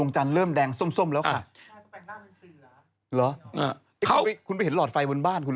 จะฟังไหม